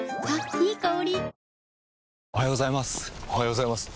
いい香り。